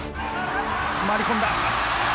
回り込んだ。